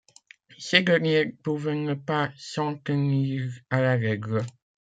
Ces derniers pouvaient ne pas s'en tenir à la règle.